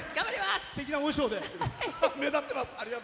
すてきなお衣装で目立ってます。